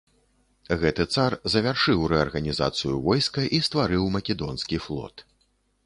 Гэты цар завяршыў рэарганізацыю войска і стварыў македонскі флот.